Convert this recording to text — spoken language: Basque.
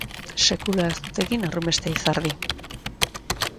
Sekula ez dut egin horrenbeste izerdi!